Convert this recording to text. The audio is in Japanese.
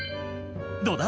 「どうだ？